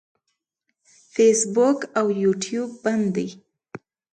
فیسبوک او یوټیوب بند دي.